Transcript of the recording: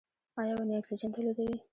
ایا ونې اکسیجن تولیدوي؟